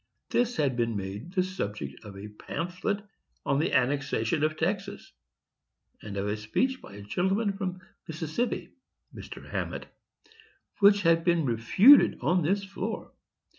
This had been made the subject of a pamphlet on the annexation of Texas, and of a speech by a gentleman from Mississippi (Mr. Hammett), which had been refuted on this floor.